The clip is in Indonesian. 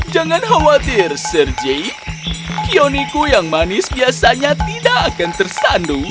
jangan khawatir sergei qioniku yang manis biasanya tidak akan tersandu